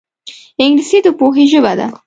انګلیسي د پوهې ژبه ده